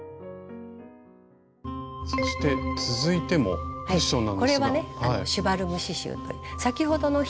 そして続いてもクッションなんですが。